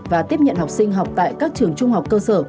và tiếp nhận học sinh học tại các trường trung học cơ sở